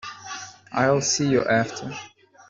I'll see you after.